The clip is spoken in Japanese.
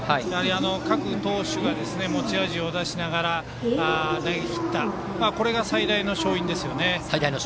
各投手が持ち味を出しながら投げきったことが最大の勝因ですよね。